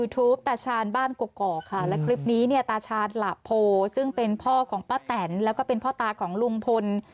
ตาก็ต้องขออภัย